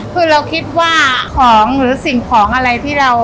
คือเราคิดว่าของหรือสิ่งของอะไรที่เรา